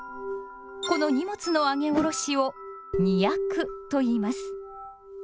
この荷物のあげおろしを「荷役」といいます。